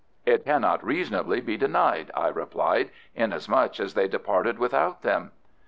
"It cannot reasonably be denied," I replied; "inasmuch as they departed without them."